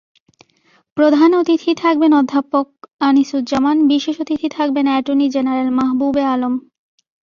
প্রধান অতিথি থাকবেন অধ্যাপক আনিসুজ্জামান, বিশেষ অতিথি থাকবেন অ্যাটর্নি জেনারেল মাহবুবে আলম।